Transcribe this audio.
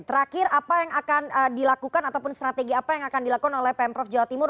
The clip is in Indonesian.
terakhir apa yang akan dilakukan ataupun strategi apa yang akan dilakukan oleh pemprov jawa timur